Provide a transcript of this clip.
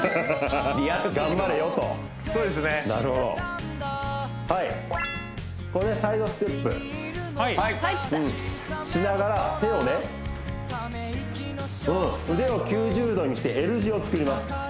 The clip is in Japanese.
リアルすぎる頑張れよとなるほどはいこれサイドステップしながら手をねうん腕を９０度にしてＬ字を作ります